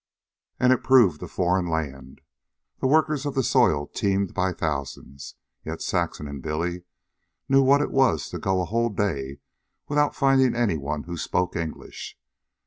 And it proved a foreign land. The workers of the soil teemed by thousands, yet Saxon and Billy knew what it was to go a whole day without finding any one who spoke English.